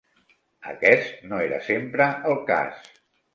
Aquest no era sempre el cas.